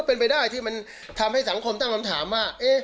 เป็นไปได้ที่มันทำให้สังคมตั้งคำถามว่า